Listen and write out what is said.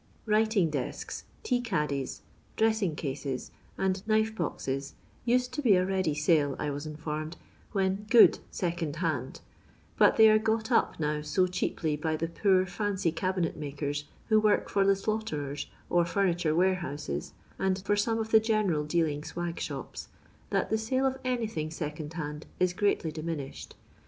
Writing de9k9f tea caddiMf dressinp eoie*, and knift boxes used to be a ready sale, I was in formed, when good seoond hand ;" but they are "got up" now so cheaply by the poor foncy cal^net makers who work for the slaughterers," or furni ture warehouses, and for some of the general dealing swag shops, that the sale of anything second hand is greatly diminished.